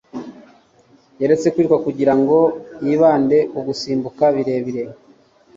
Yaretse kwiruka kugirango yibande ku gusimbuka birebire.